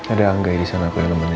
ada angga disana aku yang temennya